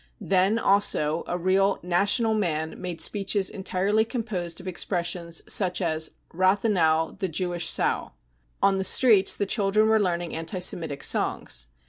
Then also, a real ce national 55 man made speeches entirely composed of expressions such as <c Rathenau, the Jewish sow." On the streets the children were learning anti Semitic songs.